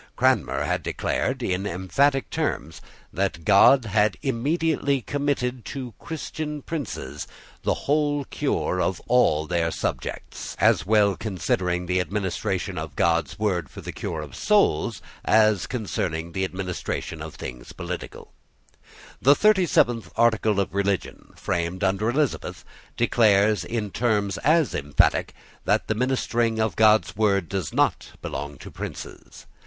Cranmer had declared, in emphatic terms, that God had immediately committed to Christian princes the whole cure of all their subjects, as well concerning the administration of God's word for the cure of souls, as concerning the administration of things political. The thirty seventh article of religion, framed under Elizabeth, declares, in terms as emphatic, that the ministering of God's word does not belong to princes.